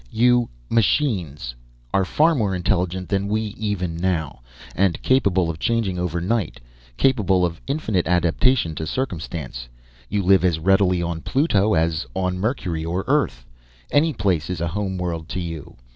"You machines are far more intelligent than we even now, and capable of changing overnight, capable of infinite adaptation to circumstance; you live as readily on Pluto as on Mercury or Earth. Any place is a home world to you.